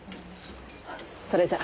それじゃ。